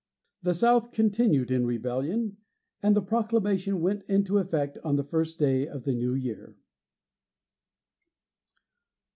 The South continued in rebellion, and the proclamation went into effect on the first day of the new year.